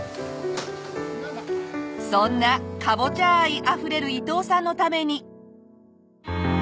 そんなカボチャ愛あふれる伊藤さんのために。